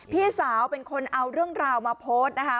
พี่สาวเป็นคนเอาเรื่องราวมาโพสต์นะคะ